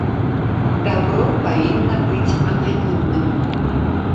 Дабро павінна быць ананімным.